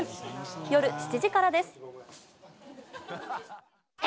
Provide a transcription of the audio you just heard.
夜７時からです。